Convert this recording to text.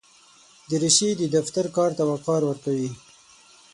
دریشي د دفتر کار ته وقار ورکوي.